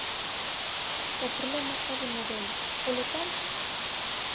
O problema é de modelo, polo tanto?